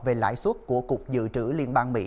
về lãi suất của cục dự trữ liên bang mỹ